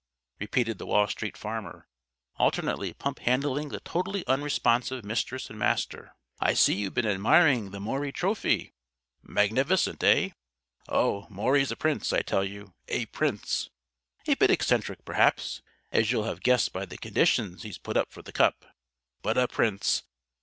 repeated the Wall Street Farmer, alternately pump handling the totally unresponsive Mistress and Master. "I see you've been admiring the Maury Trophy. Magnificent, eh? Oh, Maury's a prince, I tell you! A prince! A bit eccentric, perhaps as you'll have guessed by the conditions he's put up for the cup. But a prince.